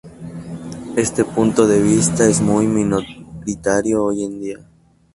Este punto de vista es muy minoritario hoy día.